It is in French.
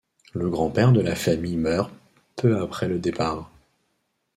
Le grand-père de la famille meurt peu après le départ.